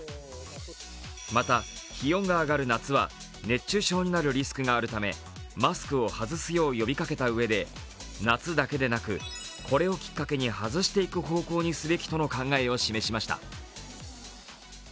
また、気温が上がる夏は熱中症になるリスクがあるためマスクを外すよう呼びかけたうえで夏だけでなくこれをきっかけに外していく方向にすべきとの考えを示しました。